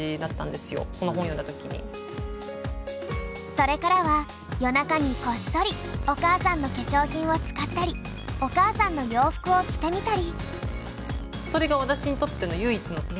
それからは夜中にこっそりお母さんの化粧品を使ったりお母さんの洋服を着てみたり。